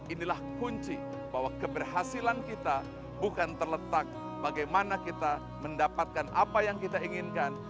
inilah kunci bahwa keberhasilan kita bukan terletak bagaimana kita mendapatkan apa yang kita inginkan